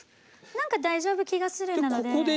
何か大丈夫気がするなので。